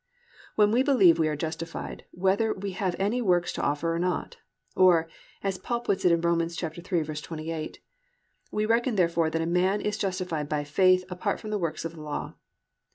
_ When we believe we are justified, whether we have any works to offer or not; or, as Paul puts it in Rom. 3:28, +"We reckon therefore that a man is justified by faith apart from works of the law."